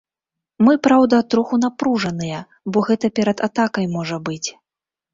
Мы, праўда, троху напружаныя, бо гэта перад атакай можа быць.